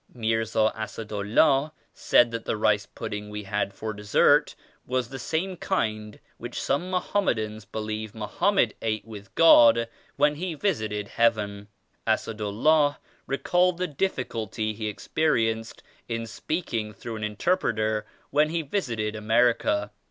Mirza Assad Ullah said that the rice pudding we had for dessert was the same kind which some Mohammedans believe Mohammed ate 76 with God when He visited Heaven. Assad Ullah recalled the difficulty he experienced in speaking through an interpreter when he visited America.